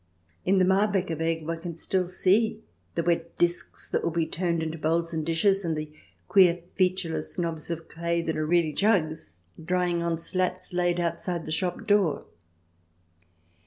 In the Marbacher Weg one can still see the wet discs that will be turned into bowls and dishes, and the 128 THE DESIRABLE ALIEN [ch. ix queer featureless knobs of clay that are really jugs drying on slats laid outside the shop door.